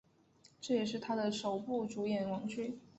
这也是他的首部主演网剧。